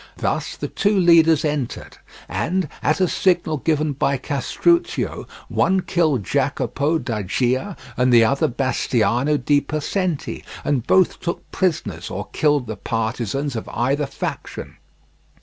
Thus the two leaders entered, and at a signal given by Castruccio, one killed Jacopo da Gia, and the other Bastiano di Possente, and both took prisoners or killed the partisans of either faction.